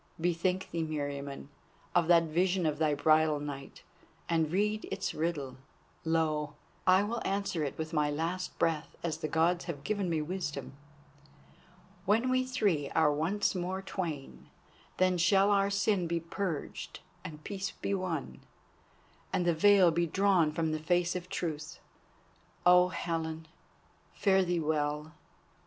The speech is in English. Bethink thee, Meriamun, of that vision of thy bridal night, and read its riddle. Lo! I will answer it with my last breath as the Gods have given me wisdom. When we three are once more twain, then shall our sin be purged and peace be won, and the veil be drawn from the face of Truth. Oh, Helen, fare thee well!